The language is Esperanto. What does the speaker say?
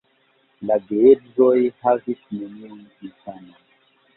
La geedzoj havis neniun infanon.